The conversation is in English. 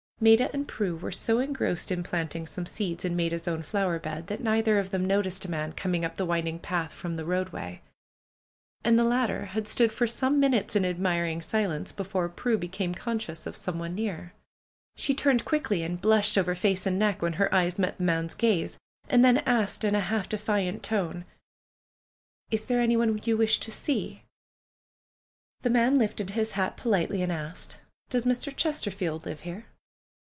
Maida and Prue were so engrossed in planting some seeds in Maida's own flower bed that neither of them noticed a man coming up the winding path from the roadway. And the latter had stood for some minutes in admiring silence before Prue became conscious of some one near. She turned quickly and blushed over face and neck when her eyes met the man's gaze, and then asked in a half defiant tone: PRUE'S GxVRDENER 181 there anyone you wish to see?'' The man lifted his hat politely, and asked: "Does Mr. Chesterfield live here?"